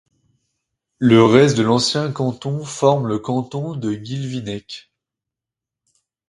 Le reste de l'ancien canton forme le Canton de Guilvinec.